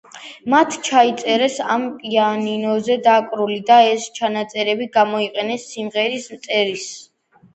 მათ ჩაიწერეს ამ პიანინოზე დაკრული და ეს ჩანაწერები გამოიყენეს სიმღერების წერისას.